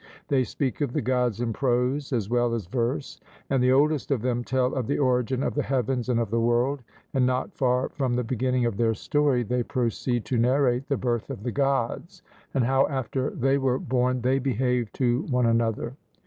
They speak of the Gods in prose as well as verse, and the oldest of them tell of the origin of the heavens and of the world, and not far from the beginning of their story they proceed to narrate the birth of the Gods, and how after they were born they behaved to one another.